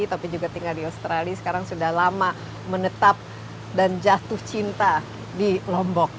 tapi juga tinggal di australia sekarang sudah lama menetap dan jatuh cinta di lombok